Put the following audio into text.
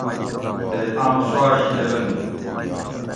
تے آم سوا شیکۤہ لنگو